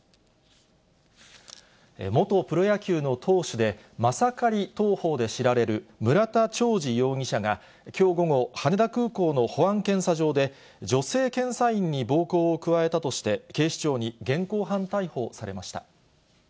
元プロ野球の投手で、マサカリ投法で知られる村田兆治容疑者が、きょう午後、羽田空港の保安検査場で、女性検査員に暴行を加えたとして、警視庁に現行犯逮捕されました。